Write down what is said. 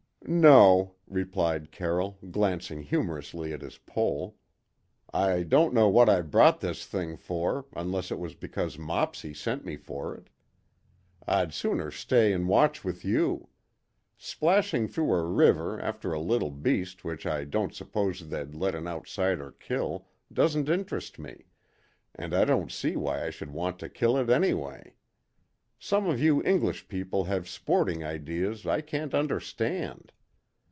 "No," replied Carroll, glancing humorously at his pole. "I don't know what I brought this thing for, unless it was because Mopsy sent me for it. I'd sooner stay and watch with you. Splashing through a river after a little beast which I don't suppose they'd let an outsider kill doesn't interest me, and I don't see why I should want to kill it, anyway. Some of you English people have sporting ideas I can't understand.